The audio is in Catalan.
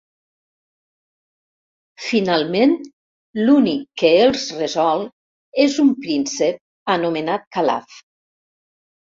Finalment l'únic que els resol és un príncep anomenat Calaf.